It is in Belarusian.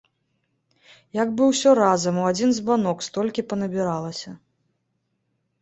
Як бы ўсё разам, у адзін збанок столькі панабіралася.